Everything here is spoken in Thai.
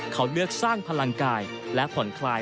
เขาเลือกสร้างพลังกายและผ่อนคลาย